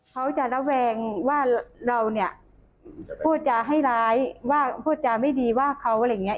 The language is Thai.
เขาจะระแวงว่าเราเนี่ยพูดจาให้ร้ายว่าพูดจาไม่ดีว่าเขาอะไรอย่างเงี้